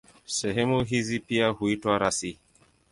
Sehemu hizi pia huitwa rasi.